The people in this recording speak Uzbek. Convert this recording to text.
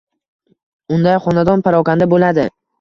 unday xonadon parokanda bo‘ladi.